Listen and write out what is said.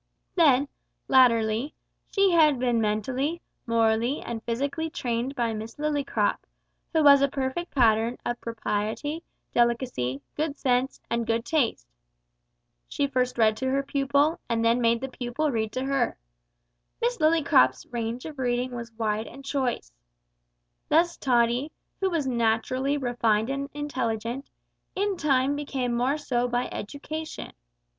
Then, latterly, she had been mentally, morally, and physically trained by Miss Lillycrop, who was a perfect pattern of propriety delicacy, good sense, and good taste. She first read to her pupil, and then made the pupil read to her. Miss Lillycrop's range of reading was wide and choice. Thus Tottie, who was naturally refined and intelligent, in time became more so by education.